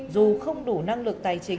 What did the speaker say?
dù không đủ năng lực tài chính